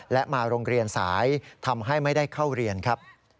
และมาโรงเรียนสายทำให้ไม่ได้เข้าเรียนครับ